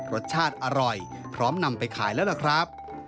รสชาติอร่อยพร้อมนำไปขายแล้วล่ะครับ